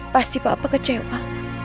pasti papa kecewa